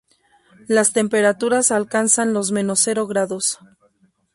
Las temperaturas alcanzan los menos cero grados.